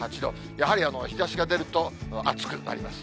やはり日ざしが出ると暑くなります。